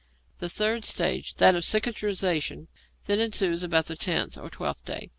The third stage, that of cicatrization, then ensues about the tenth to the twelfth day.